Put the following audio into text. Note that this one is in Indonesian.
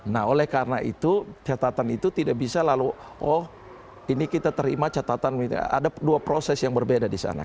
nah oleh karena itu catatan itu tidak bisa lalu oh ini kita terima catatan ada dua proses yang berbeda di sana